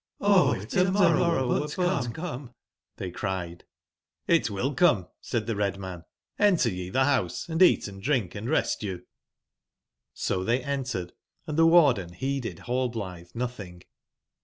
'' Oh t if to/morrow were but comet" they cried jj^'*Xt will come," said the red man; ''enter ye the house, and eat and drink and rest you." So they en tered, and the CQarden heeded Hallblithe nothing.